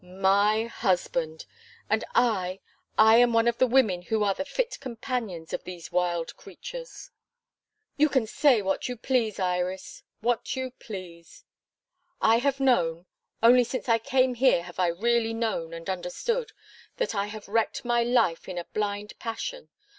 my husband! and I I am one of the women who are the fit companions of these wild creatures." "You can say what you please, Iris; what you please." "I have known only since I came here have I really known and understood that I have wrecked my life in a blind passion.